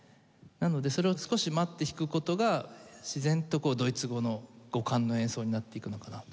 なのでそれを少し待って弾く事が自然とこうドイツ語の語感の演奏になっていくのかなと思います。